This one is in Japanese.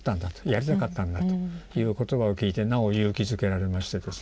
「やりたかったんだ」という言葉を聞いてなお勇気づけられましてですね。